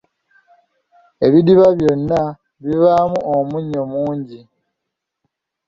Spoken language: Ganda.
Ebidiba byonna bibaamu omunnyo mungi.